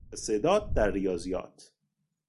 استعداد در ریاضیات